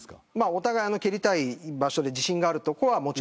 お互い、蹴りたい場所で自信があるとこは。